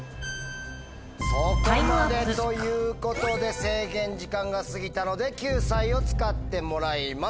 そこまでということで制限時間が過ぎたので救済を使ってもらいます。